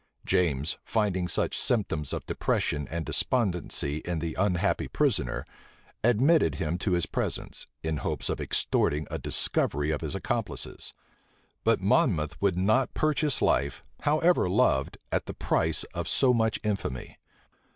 James, finding such symptoms of depression and despondency in the unhappy prisoner, admitted him to his presence, in hopes of extorting a discovery of his accomplices; but Monmouth would not purchase life, however loved, at the price of so much infamy.